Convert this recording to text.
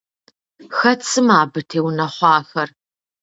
Хэт сымэ абы теунэхъуахэр?